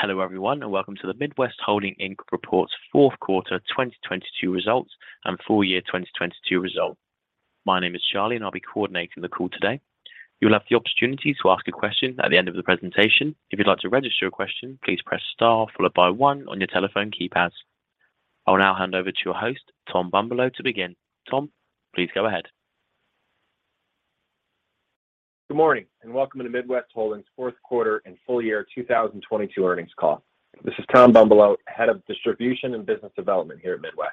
Hello everyone, and welcome to the Midwest Holding Inc. Reports fourth quarter 2022 results and full year 2022 result. My name is Charlie, and I'll be coordinating the call today. You'll have the opportunity to ask a question at the end of the presentation. If you'd like to register a question, please press star followed by one on your telephone keypads. I will now hand over to your host, Tom Bumbolow, to begin. Tom, please go ahead. Good morning, welcome to Midwest Holding's fourth quarter and full year 2022 earnings call. This is Tom Bumbolow, Head of Distribution and Business Development here at Midwest.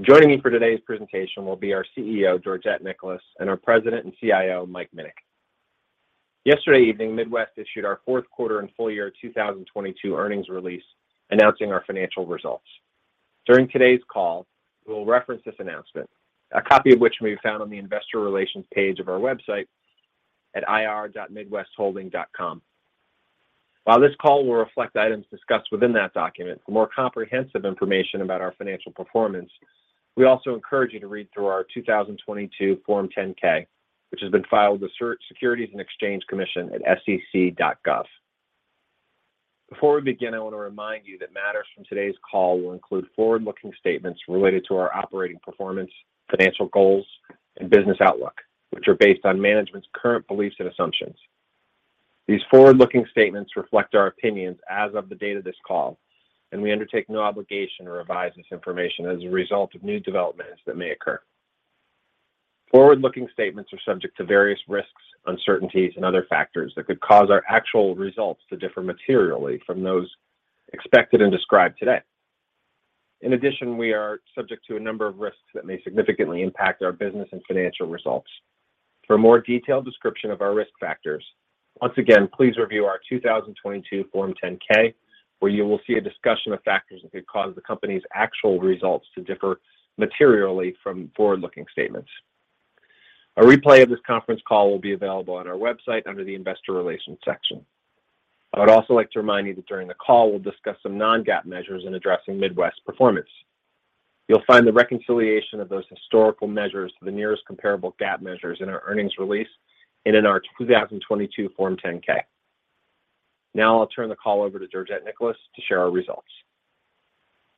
Joining me for today's presentation will be our CEO, Georgette Nicholas, and our President and CIO, Mike Minnich. Yesterday evening, Midwest issued our fourth quarter and full year 2022 earnings release announcing our financial results. During today's call, we will reference this announcement, a copy of which may be found on the investor relations page of our website at ir.midwestholding.com. While this call will reflect items discussed within that document, for more comprehensive information about our financial performance, we also encourage you to read through our 2022 Form 10-K, which has been filed with the Securities and Exchange Commission at sec.gov. Before we begin, I want to remind you that matters from today's call will include forward-looking statements related to our operating performance, financial goals, and business outlook, which are based on management's current beliefs and assumptions. These forward-looking statements reflect our opinions as of the date of this call, and we undertake no obligation to revise this information as a result of new developments that may occur. Forward-looking statements are subject to various risks, uncertainties and other factors that could cause our actual results to differ materially from those expected and described today. In addition, we are subject to a number of risks that may significantly impact our business and financial results. For a more detailed description of our risk factors, once again, please review our 2022 Form 10-K, where you will see a discussion of factors that could cause the company's actual results to differ materially from forward-looking statements. A replay of this conference call will be available on our website under the Investor Relations section. I would also like to remind you that during the call, we'll discuss some non-GAAP measures in addressing Midwest performance. You'll find the reconciliation of those historical measures to the nearest comparable GAAP measures in our earnings release and in our 2022 Form 10-K. I'll turn the call over to Georgette Nicholas to share our results.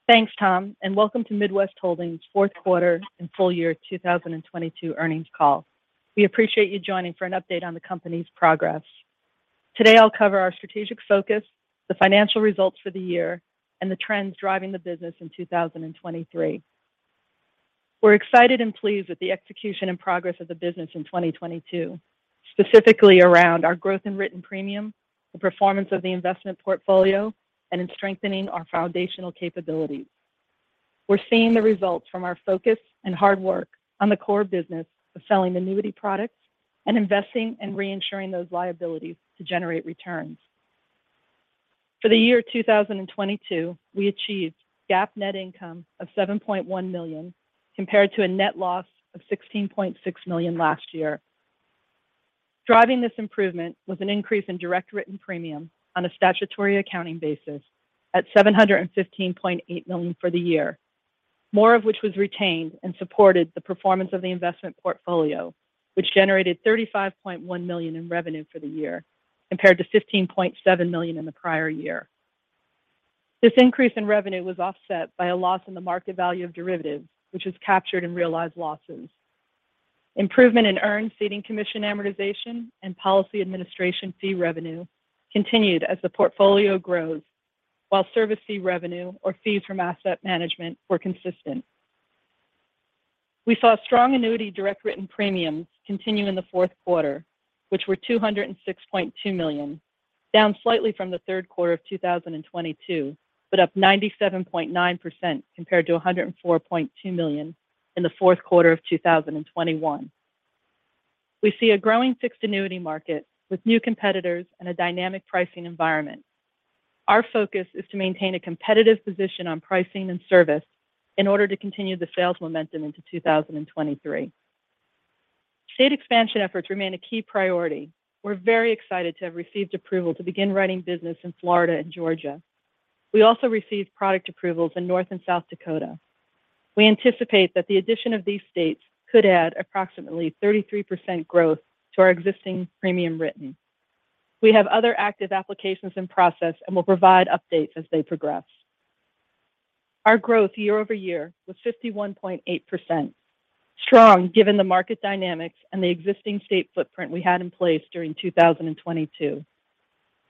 Thanks, Tom, and welcome to Midwest Holdings fourth quarter and full year 2022 earnings call. We appreciate you joining for an update on the company's progress. Today I'll cover our strategic focus, the financial results for the year, and the trends driving the business in 2023. We're excited and pleased with the execution and progress of the business in 2022, specifically around our growth in written premium, the performance of the investment portfolio, and in strengthening our foundational capabilities. We're seeing the results from our focus and hard work on the core business of selling annuity products and investing and reinsuring those liabilities to generate returns. For the year 2022, we achieved GAAP net income of $7.1 million, compared to a net loss of $16.6 million last year. Driving this improvement was an increase in direct written premium on a statutory accounting basis at $715.8 million for the year, more of which was retained and supported the performance of the investment portfolio, which generated $35.1 million in revenue for the year, compared to $15.7 million in the prior year. This increase in revenue was offset by a loss in the market value of derivatives, which is captured in realized losses. Improvement in earned ceding commission amortization and policy administration fee revenue continued as the portfolio grows, while service fee revenue, or fees from asset management, were consistent. We saw strong annuity direct written premiums continue in the fourth quarter, which were $206.2 million, down slightly from the third quarter of 2022, but up 97.9% compared to $104.2 million in the fourth quarter of 2021. We see a growing fixed annuity market with new competitors and a dynamic pricing environment. Our focus is to maintain a competitive position on pricing and service in order to continue the sales momentum into 2023. State expansion efforts remain a key priority. We're very excited to have received approval to begin writing business in Florida and Georgia. We also received product approvals in North and South Dakota. We anticipate that the addition of these states could add approximately 33% growth to our existing premium written. We have other active applications in process and will provide updates as they progress. Our growth year-over-year was 51.8%, strong given the market dynamics and the existing state footprint we had in place during 2022.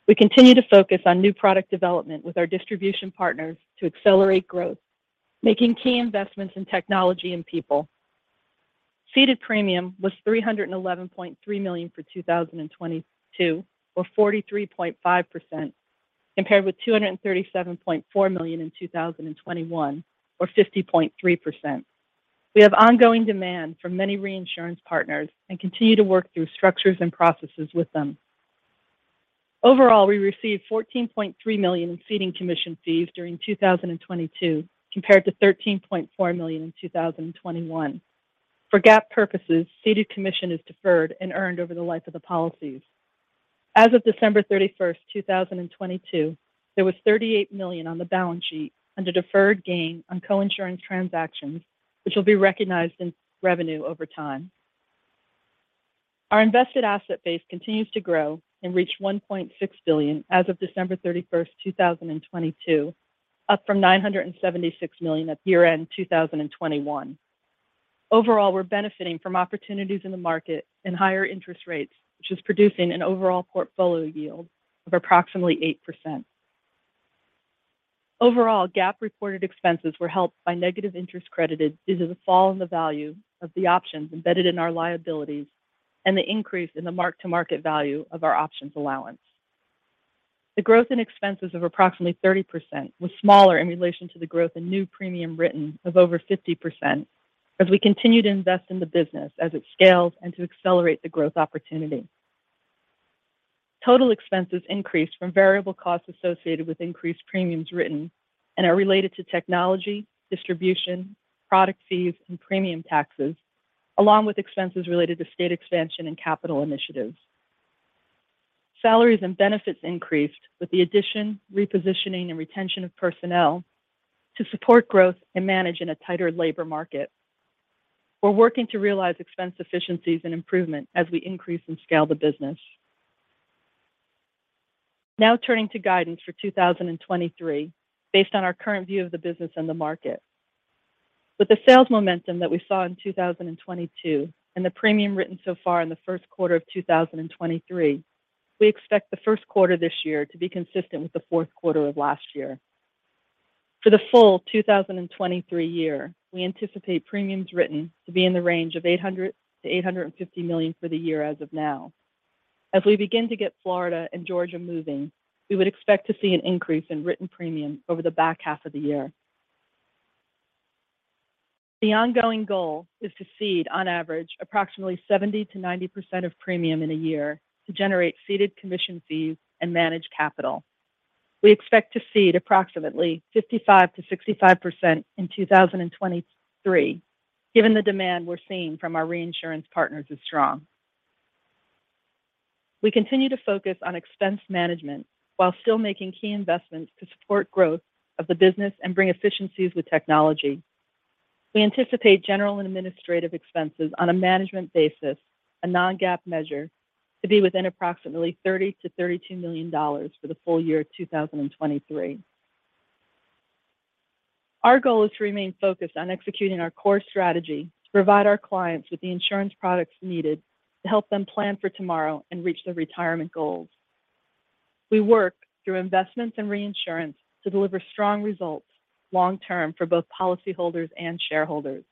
We continue to focus on new product development with our distribution partners to accelerate growth, making key investments in technology and people. Ceded premium was $311.3 million for 2022 or 43.5%, compared with $237.4 million in 2021 or 50.3%. We have ongoing demand from many reinsurance partners and continue to work through structures and processes with them. Overall, we received $14.3 million in ceding commission fees during 2022 compared to $13.4 million in 2021. For GAAP purposes, ceded commission is deferred and earned over the life of the policies. As of December 31, 2022, there was $38 million on the balance sheet under deferred gain on coinsurance transactions, which will be recognized in revenue over time. Our invested asset base continues to grow and reached $1.6 billion as of December 31, 2022, up from $976 million at year-end 2021. Overall, we're benefiting from opportunities in the market and higher interest rates, which is producing an overall portfolio yield of approximately 8%. Overall, GAAP reported expenses were helped by negative interest credited due to the fall in the value of the options embedded in our liabilities and the increase in the mark-to-market value of our options allowance. The growth in expenses of approximately 30% was smaller in relation to the growth in new premium written of over 50% as we continue to invest in the business as it scales and to accelerate the growth opportunity. Total expenses increased from variable costs associated with increased premiums written and are related to technology, distribution, product fees, and premium taxes, along with expenses related to state expansion and capital initiatives. Salaries and benefits increased with the addition, repositioning, and retention of personnel to support growth and manage in a tighter labor market. We're working to realize expense efficiencies and improvement as we increase and scale the business. Now turning to guidance for 2023 based on our current view of the business and the market. With the sales momentum that we saw in 2022 and the premium written so far in the first quarter of 2023, we expect the first quarter this year to be consistent with the fourth quarter of last year. For the full 2023 year, we anticipate premiums written to be in the range of $800 million-$850 million for the year as of now. We begin to get Florida and Georgia moving, we would expect to see an increase in written premium over the back half of the year. The ongoing goal is to cede on average approximately 70%-90% of premium in a year to generate ceded commission fees and manage capital. We expect to cede approximately 55%-65% in 2023, given the demand we're seeing from our reinsurance partners is strong. We continue to focus on expense management while still making key investments to support growth of the business and bring efficiencies with technology. We anticipate general and administrative expenses on a management basis, a non-GAAP measure, to be within approximately $30 million-$32 million for the full year of 2023. Our goal is to remain focused on executing our core strategy to provide our clients with the insurance products needed to help them plan for tomorrow and reach their retirement goals. We work through investments and reinsurance to deliver strong results long term for both policyholders and shareholders.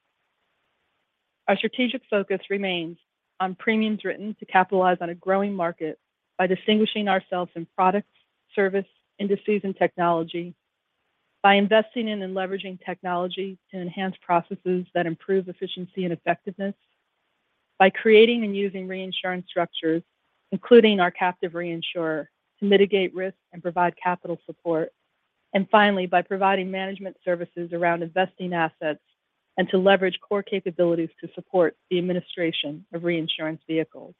Our strategic focus remains on premiums written to capitalize on a growing market by distinguishing ourselves in products, service, industries, and technology by investing in and leveraging technology to enhance processes that improve efficiency and effectiveness, by creating and using reinsurance structures, including our captive reinsurer, to mitigate risk and provide capital support, and finally, by providing management services around investing assets and to leverage core capabilities to support the administration of reinsurance vehicles.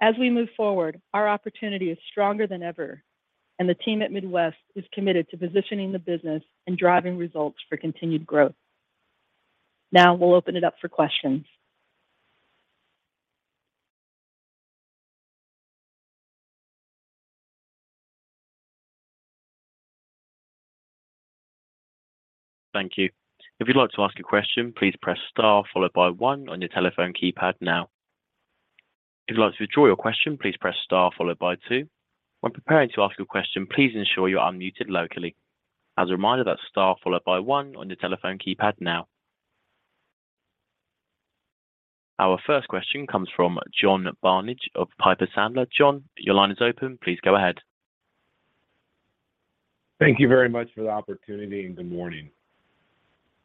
As we move forward, our opportunity is stronger than ever, and the team at Midwest is committed to positioning the business and driving results for continued growth. Now we'll open it up for questions. Thank you. If you'd like to ask a question, please press star followed by one on your telephone keypad now. If you'd like to withdraw your question, please press star followed by two. When preparing to ask your question, please ensure you're unmuted locally. As a reminder, that's star followed by one on your telephone keypad now. Our first question comes from John Barnidge of Piper Sandler. John, your line is open. Please go ahead. Thank you very much for the opportunity. Good morning.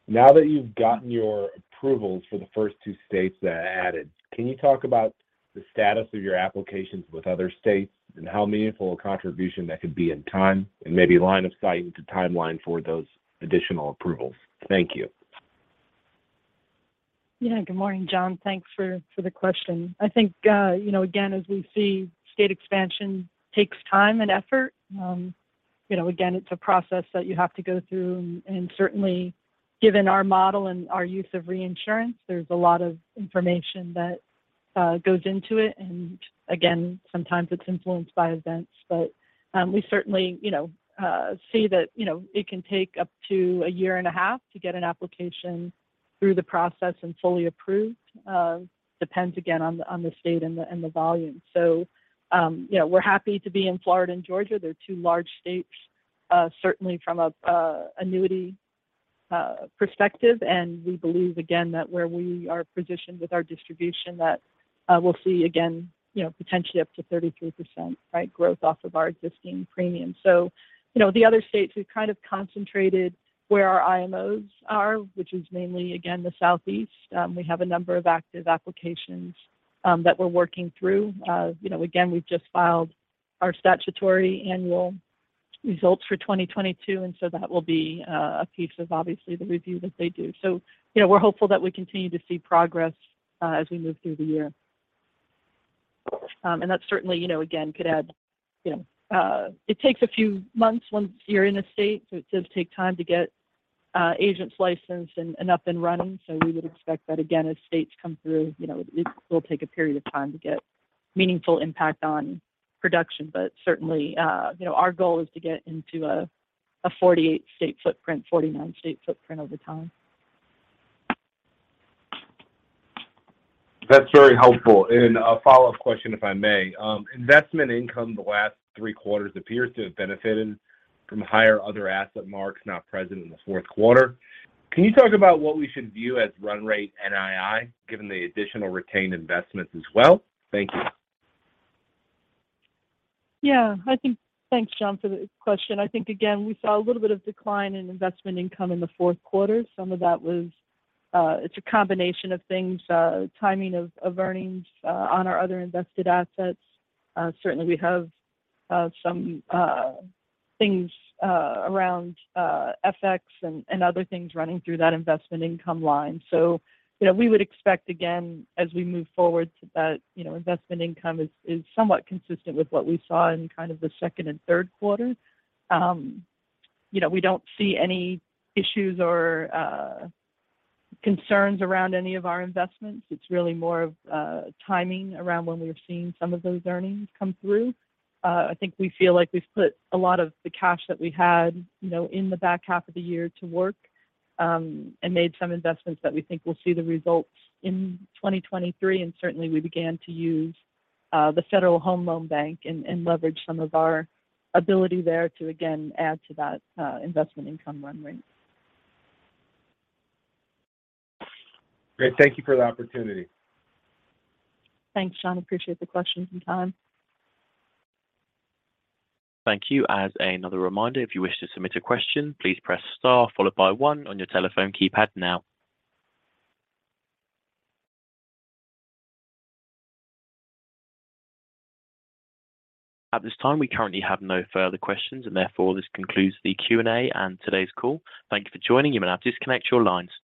Now that you've gotten your approvals for the first two states that added, can you talk about the status of your applications with other states and how meaningful a contribution that could be in time and maybe line of sight into timeline for those additional approvals? Thank you. Good morning, John. Thanks for the question. I think, you know, again, as we see state expansion takes time and effort. You know, again, it's a process that you have to go through, certainly given our model and our use of reinsurance, there's a lot of information that goes into it. Again, sometimes it's influenced by events. We certainly, you know, see that, you know, it can take up to 1.5 years to get an application through the process and fully approved. Depends again on the state and the volume. You know, we're happy to be in Florida and Georgia. They're two large states, certainly from a annuity perspective. We believe again that where we are positioned with our distribution that, we'll see again, you know, potentially up to 33%, right, growth off of our existing premiums. You know, the other states we've kind of concentrated where our IMOs are, which is mainly, again, the Southeast. We have a number of active applications that we're working through. You know, again, we've just filed our statutory annual results for 2022, that will be a piece of obviously the review that they do. You know, we're hopeful that we continue to see progress as we move through the year. That's certainly, you know, again could add. You know, it takes a few months once you're in a state. It does take time to get agents licensed and up and running. We would expect that again as states come through, you know, it will take a period of time to get meaningful impact on production. certainly, you know, our goal is to get into a 48 state footprint, 49 state footprint over time. That's very helpful. A follow-up question, if I may. Investment income the last three quarters appears to have benefited from higher other asset marks not present in the fourth quarter. Can you talk about what we should view as run rate NII, given the additional retained investments as well? Thank you. Thanks, John, for the question. I think again we saw a little bit of decline in investment income in the fourth quarter. Some of that was, it's a combination of things, timing of earnings on our other invested assets. Certainly we have some things around FX and other things running through that investment income line. You know, we would expect again, as we move forward to that, you know, investment income is somewhat consistent with what we saw in kind of the second and third quarter. You know, we don't see any issues or concerns around any of our investments. It's really more of timing around when we're seeing some of those earnings come through. I think we feel like we've put a lot of the cash that we had, you know, in the back half of the year to work, and made some investments that we think will see the results in 2023. Certainly we began to use, the Federal Home Loan Bank and leverage some of our ability there to again add to that, investment income run rate. Great. Thank you for the opportunity. Thanks, John. Appreciate the question and time. Thank you. As another reminder, if you wish to submit a question, please press star followed by one on your telephone keypad now. At this time, we currently have no further questions, and therefore this concludes the Q&A and today's call. Thank you for joining. You may now disconnect your lines.